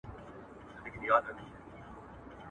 استازي د خپلو خلګو سره همکاري کوي.